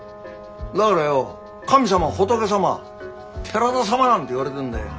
だからよ神様仏様寺田様なんて言われてんだよ。